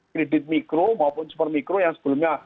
kredit mikro maupun super mikro yang sebelumnya